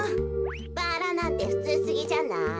バラなんてふつうすぎじゃない？